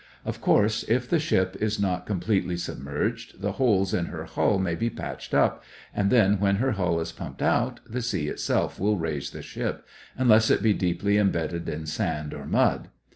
Of course, if the ship is not completely submerged, the holes in her hull may be patched up, and then when her hull is pumped out, the sea itself will raise the ship, unless it be deeply embedded in sand or mud.